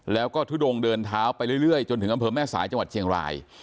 แล้วก็ทุดงเดินเท้าไปเรื่อยจนถึงอำเภอแม่สายจังหวัดเชียงราย